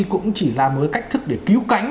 cũng chỉ là một cách thức để cứu cánh